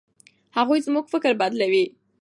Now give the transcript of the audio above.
هغوی زموږ فکر بدلوي.